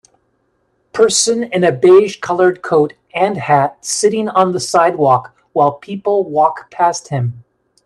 Person in a beige colored coat and hat sitting on the sidewalk while people walk past him.